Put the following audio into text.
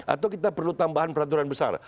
atau kita perlu tambahan peraturan besar